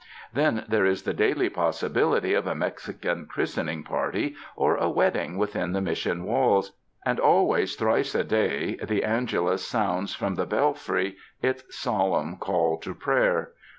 Then there is the daily possibility of a Mexican christening party or a wedding within the Mission walls; and always thrice a day the angelus sounds from the bel fry its solemn call to prayer.